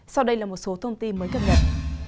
sau đây là một số thông tin mới cập nhật